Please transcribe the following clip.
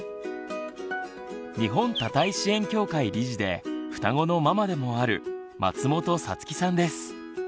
日本多胎支援協会理事でふたごのママでもある松本彩月さんです。